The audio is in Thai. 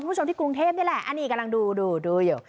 คุณผู้ชมที่กรุงเทพนี่แหละอันนี้กำลังดูดูดูอยู่